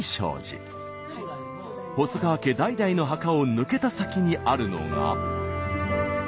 細川家代々の墓を抜けた先にあるのが。